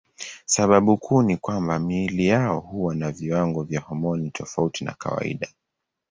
Sababu kuu ni kwamba miili yao huwa na viwango vya homoni tofauti na kawaida.